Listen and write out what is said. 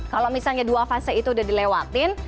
kalau misalnya dua fase itu udah dilewatin